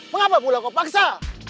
mengapa pula kau paksa